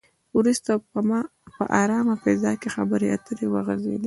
وروسته په ارامه فضا کې خبرې اترې وغځېدې.